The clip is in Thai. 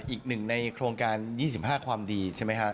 อีกหนึ่งในโครงการ๒๕ความดีใช่ไหมฮะ